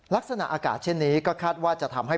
ลักษณะอากาศเช่นนี้ก็คาดว่าจะทำให้